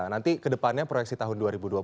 nanti kedepannya proyeksi tahun dua ribu dua puluh